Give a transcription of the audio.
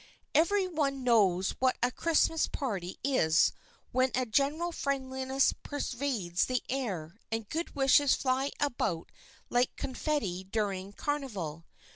Every one knows what a Christmas party is when a general friendliness pervades the air, and good wishes fly about like confetti during Carnival.